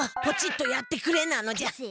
ポチッとやってくれなのじゃ。